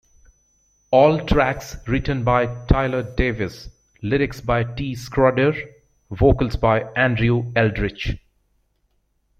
All tracks written by Tyler Davis, lyrics by T. Schroeder, vocals by Andrew Eldritch.